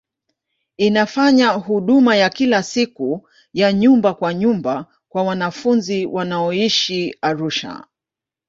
Inafanya huduma ya kila siku ya nyumba kwa nyumba kwa wanafunzi wanaoishi Arusha.